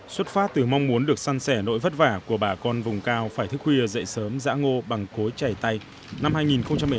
xuất phát từ mong muốn được săn sẻ nỗi vất vả của bà con vùng cao phải thức khuya dậy sớm giã ngô bằng cối chay tay trong nhiều giờ để có lương thực nấu ăn